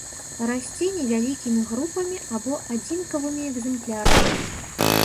Расце невялікімі групамі або адзінкавымі экземплярамі.